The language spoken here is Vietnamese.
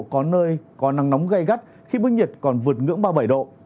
có nơi có nắng nóng gây gắt khi mức nhiệt còn vượt ngưỡng ba mươi bảy độ